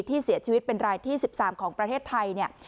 ที่เสียชีวิตเป็นรายที่๑๓ของประเทศไทยเนี่ย